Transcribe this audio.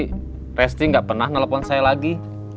presti gak pernah nelfon saya lagi